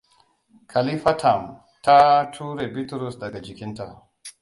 Khalifatam ta ture Bitrus daga jikinta.